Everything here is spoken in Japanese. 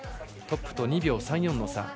トップと２秒３４の差。